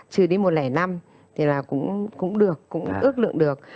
cũng ước lượng được